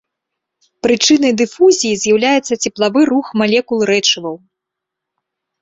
Прычынай дыфузіі з'яўляецца цеплавы рух малекул рэчываў.